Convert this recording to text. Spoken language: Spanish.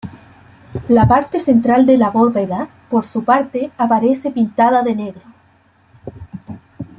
La parte central de la bóveda, por su parte, aparece pintada de negro.